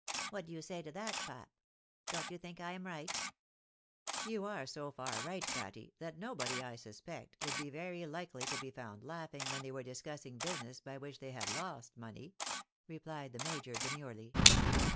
What do you say to that, pap ? Don't you think I am right ?"" You are so far right, Patty, that nobody, I suspect, would be very likely to be found laughing when they were discussing business by which they had lost money," replied the major, demurely.